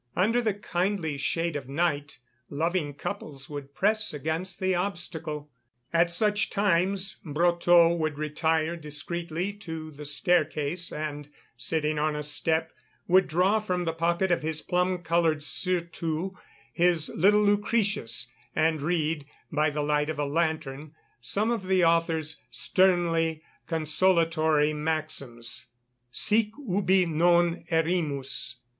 Under the kindly shade of night loving couples would press against the obstacle. At such times Brotteaux would retire discreetly to the staircase and, sitting on a step, would draw from the pocket of his plum coloured surtout his little Lucretius and read, by the light of a lantern, some of the author's sternly consolatory maxims: "Sic ubi non erimus....